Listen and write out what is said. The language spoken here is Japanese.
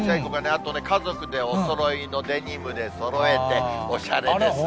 あとね、家族でおそろいのデニムでそろえて、おしゃれですね。